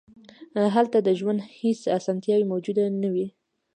هلته د ژوند هېڅ اسانتیا موجود نه وه.